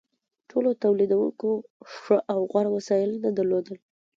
ټولو تولیدونکو ښه او غوره وسایل نه درلودل.